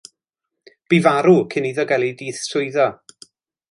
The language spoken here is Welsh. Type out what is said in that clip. Bu farw cyn iddo gael ei ddiswyddo.